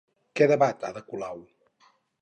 Què debat Ada Colau?